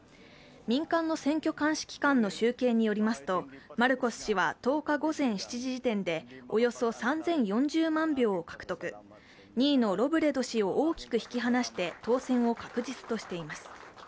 民間の選挙監視機関の集計によりますとマルコス氏は１０日午前７時時点でおよそ３０４０万票を獲得、２位のロブレド氏を大きく引き離して当選を確実としています。